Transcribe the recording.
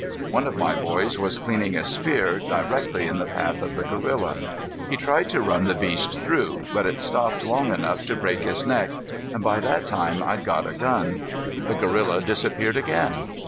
One of my boys was cleaning a spear, directly in the path of the gorilla. He tried to run the beast through, but it stopped long enough to break his neck and by that time I'd got a gun. The gorilla disappeared again.